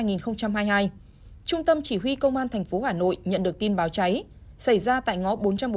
trung tâm chỉ huy công an tp hà nội nhận được tin báo cháy xảy ra tại ngõ bốn trăm bốn mươi tám